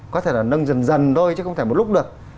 có thể là nâng dần dần thôi chứ không thể một lúc được